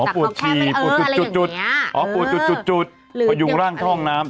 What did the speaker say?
ปวดฉี่ปูจุดอ๋อปูดจุดพยุงร่างเข้าห้องน้ำ